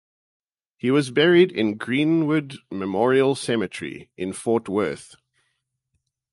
He was buried in Greenwood Memorial Cemetery in Fort Worth.